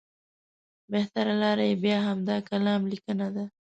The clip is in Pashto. بهتره لاره یې بیا همدا کالم لیکنه ده.